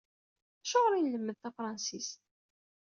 Acuɣer i nlemmed tafransist?